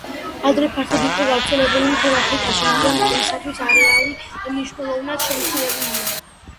ადრე ფართოდ იყო გავრცელებული მთელ აფრიკაში, მაგრამ დღეისათვის არეალი მნიშვნელოვნად შემცირებულია.